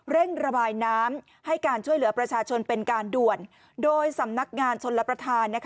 เร่งระบายน้ำให้การช่วยเหลือประชาชนเป็นการด่วนโดยสำนักงานชนรับประทาน